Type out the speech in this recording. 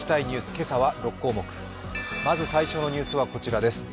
今朝は６項目、まず最初のニュースはこちらです。